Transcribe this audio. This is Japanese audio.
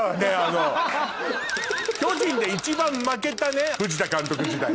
巨人で一番負けた藤田監督時代。